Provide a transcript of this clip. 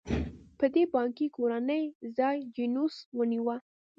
په دې بانکي کورنۍ ځای جینوس ونیوه.